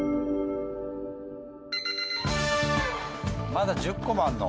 まだ１０個もあるの？